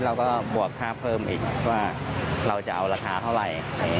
เราก็บวกค่าเพิ่มอีกว่าเราจะเอาราคาเท่าไหร่